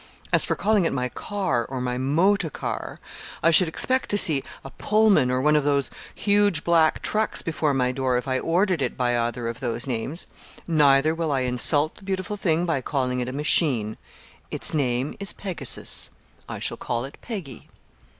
As for calling it my 'car,' or my 'motor car' I should expect to see a Pullman or one of those huge black trucks before my door, if I ordered it by either of those names. Neither will I insult the beautiful thing by calling it a 'machine.' Its name is Pegasus. I shall call it 'Peggy.'"